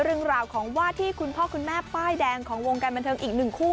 เรื่องราวของว่าที่คุณพ่อคุณแม่ป้ายแดงของวงการบันเทิงอีกหนึ่งคู่